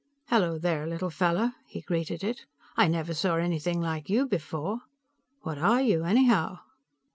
"Hello there, little fellow," he greeted it. "I never saw anything like you before. What are you anyhow?"